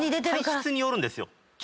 体質によるんですよ。